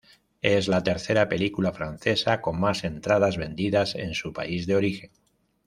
Es la tercera película francesa con más entradas vendidas en su país de origen.